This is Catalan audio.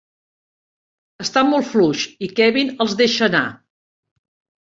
Està molt fluix, i Kevin els deixa anar...